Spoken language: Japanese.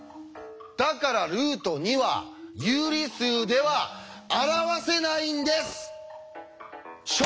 だからルート２は有理数では表せないんです！